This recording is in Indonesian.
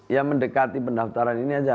ya mendekati pendaftaran ini aja